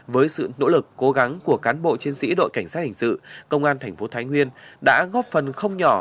với sự nỗ lực cố gắng của cán bộ chiến sĩ đội cảnh sát hình sự công an thành phố thái nguyên đã góp phần không nhỏ